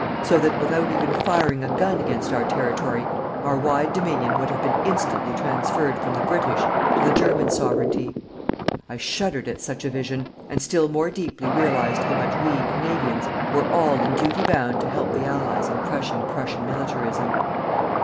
So that without even firing a gun against our territory, our wide Dominion would have been instantly transferred from the British to the German Sovereignty. I shuddered at such a vision, and still more deeply realized how much we, Canadians, were all in duty bound to help the Allies in crushing Prussian militarism.